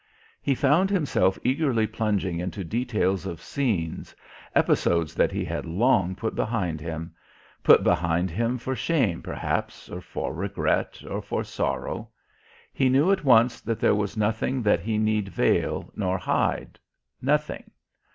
He found himself eagerly plunging into details of scenes, episodes that he had long put behind him put behind him for shame perhaps or for regret or for sorrow. He knew at once that there was nothing that he need veil nor hide nothing.